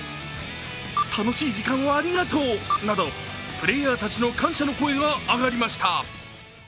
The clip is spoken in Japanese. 楽しい時間をありがとうなど、プレーヤーたちの感謝の声が上がりました。